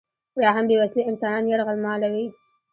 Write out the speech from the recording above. یا هم بې وسلې انسانان یرغمالوي.